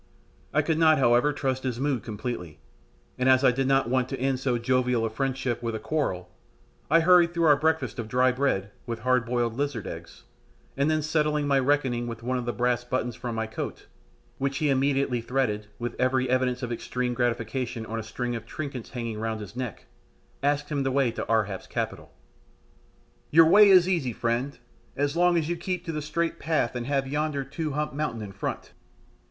I could not, however, trust his mood completely, and as I did not want to end so jovial a friendship with a quarrel, I hurried through our breakfast of dry bread, with hard boiled lizard eggs, and then settling my reckoning with one of the brass buttons from my coat, which he immediately threaded, with every evidence of extreme gratification, on a string of trinkets hanging round his neck, asked him the way to Ar hap's capital. "Your way is easy, friend, as long as you keep to the straight path and have yonder two humped mountain in front.